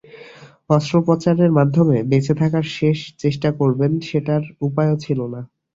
অস্ত্রোপচারের মাধ্যমে বেঁচে থাকার শেষ চেষ্টা করবেন, সেটার উপায়ও ছিল না।